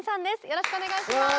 よろしくお願いします。